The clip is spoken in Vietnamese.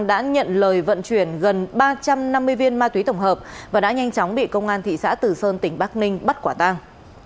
đã nhận lời vận chuyển gần ba trăm năm mươi viên ma túy tổng hợp và đã nhanh chóng bị công an thị xã tử sơn tỉnh bắc ninh bắt quả tang